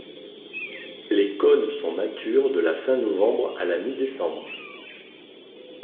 Les cônes sont matures de la fin novembre à la mi-décembre.